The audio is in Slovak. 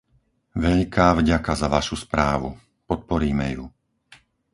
Veľká vďaka za Vašu správu. Podporíme ju.